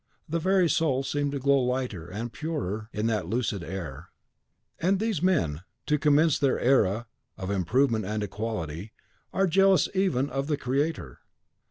The very soul seemed to grow lighter and purer in that lucid air. "And these men, to commence their era of improvement and equality, are jealous even of the Creator.